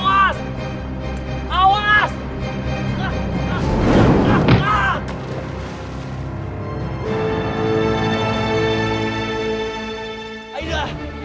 aida buka pintunya cepat aida